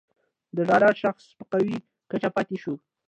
د ډالر شاخص په قوي کچه پاتې شو